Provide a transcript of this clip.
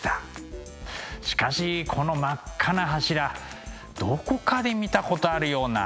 しかしこの真っ赤な柱どこかで見たことあるような。